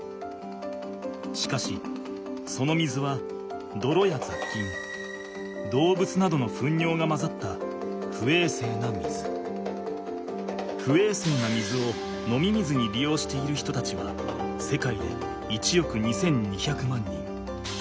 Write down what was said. しかしその水はどろや雑菌動物などのふんにょうがまざった不衛生な水を飲み水に利用している人たちは世界で１億２，２００万人。